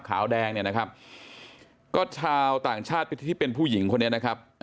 ขาวแดงเนี่ยนะครับก็ชาวต่างชาติที่เป็นผู้หญิงคนนี้นะครับ